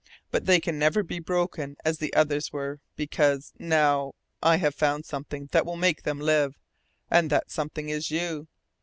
But they can never be broken as the others were because now I have found something that will make them live. And that something is YOU!